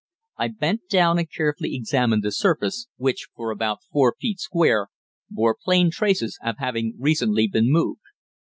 I bent down and carefully examined the surface, which, for about four feet square, bore plain traces of having recently been moved.